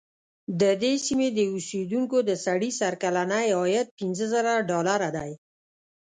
د دې سیمې د اوسېدونکو د سړي سر کلنی عاید پنځه زره ډالره دی.